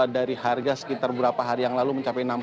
dari harga sekitar berapa hari yang lalu mencapai